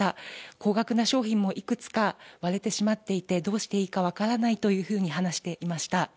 高額な商品もいくつか割れてしまっていて、どうしていいか分からないというふうに話していました。